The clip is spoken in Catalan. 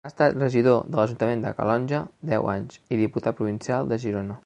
Ha estat regidor de l'ajuntament de Calonge deu anys i Diputat Provincial de Girona.